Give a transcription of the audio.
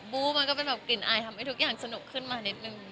มันก็เป็นแบบกลิ่นอายทำให้ทุกอย่างสนุกขึ้นมานิดนึง